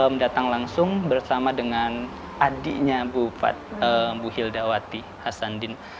mendatang langsung bersama dengan adiknya bupat mbu hilda mawati hasan din